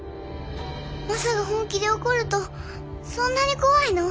マサが本気で怒るとそんなに怖いの？